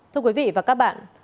thưa quý vị và các bạn